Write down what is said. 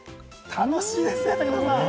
楽しいですね、武田さん。